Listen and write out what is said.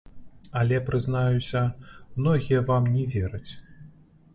Але, прызнаюся, многія вам не вераць.